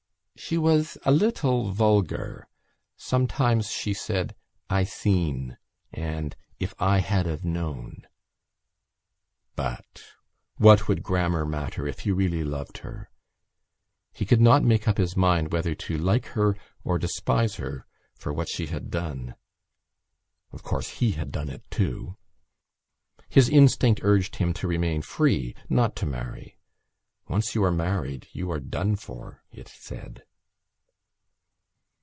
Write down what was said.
She was a little vulgar; sometimes she said "I seen" and "If I had've known." But what would grammar matter if he really loved her? He could not make up his mind whether to like her or despise her for what she had done. Of course he had done it too. His instinct urged him to remain free, not to marry. Once you are married you are done for, it said.